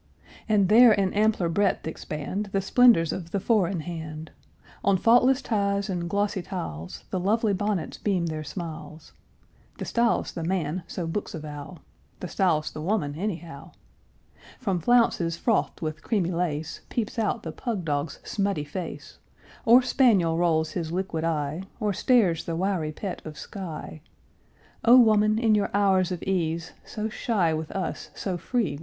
And there in ampler breadth expand The splendors of the four in hand; On faultless ties and glossy tiles The lovely bonnets beam their smiles; (The style's the man, so books avow; The style's the woman, anyhow;) From flounces frothed with creamy lace Peeps out the pug dog's smutty face, Or spaniel rolls his liquid eye, Or stares the wiry pet of Skye; O woman, in your hours of ease So shy with us, so free with these!